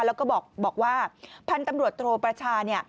แล้วก็บอกว่าพันธุ์ตำรวจโทประชา